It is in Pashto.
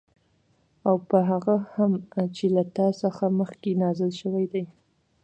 او په هغه هم چې له تا څخه مخكي نازل شوي دي